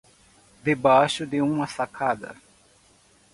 De baixo de uma sacada.